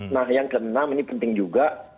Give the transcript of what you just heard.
nah yang keenam ini penting juga